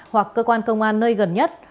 hoặc cơ quan công an nơi gần nhất